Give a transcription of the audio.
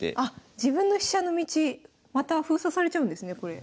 自分の飛車の道また封鎖されちゃうんですねこれ。